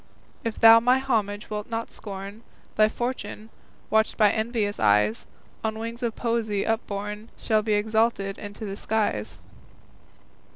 If thou my homage wilt not scorn, Thy fortune, watched by envious eyes, On wings of poesy upborne Shall be exalted to the skies.